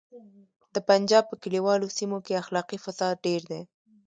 د پنجاب په کلیوالو سیمو کې اخلاقي فساد ډیر دی